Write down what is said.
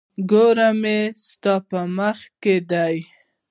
کور مي ستا په مخ کي دی.